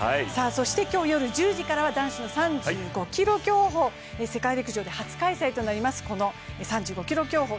そして今日夜１０時からは男子の３５ｋｍ競歩、世界陸上で初開催となります３５ｋｍ競歩。